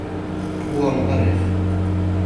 هو مؤرخ.